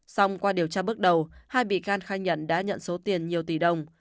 xong qua điều tra bước đầu hai bị can khai nhận đã nhận số tiền nhiều tỷ đồng